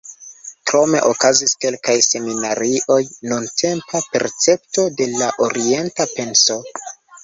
Krome okazis kelkaj seminarioj "Nuntempa percepto de la orienta penso".